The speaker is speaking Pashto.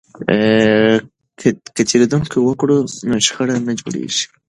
که تیریدنه وکړو نو شخړه نه جوړیږي.